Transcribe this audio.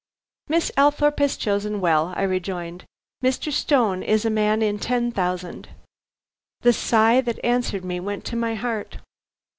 "Miss Althorpe has chosen well," I rejoined. "Mr. Stone is a man in ten thousand." The sigh that answered me went to my heart.